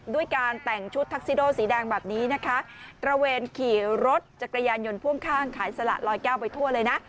ด้วยการแต่งชุดทักซิโดสีแดงแบบนี้นะคะตระเวนขี่รถจักรยานยนต์พ่วงข้างขายสละลอยแก้วไปทั่วเลยนะ